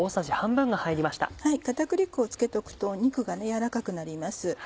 片栗粉をつけておくと肉が軟らかくなります。